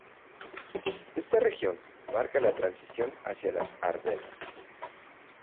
Esta región marca la transición hacia las Ardenas.